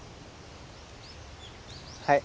はい。